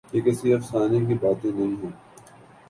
یہ کسی افسانے کی باتیں نہیں ہیں۔